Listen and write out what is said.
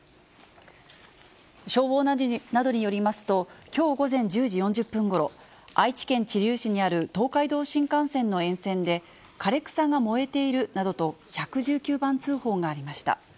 消防などによりますと、きょう午前１０時４０分ごろ、愛知県知立市にある東海道新幹線の沿線で、枯れ草が燃えているなどと、１１９番通報がありました。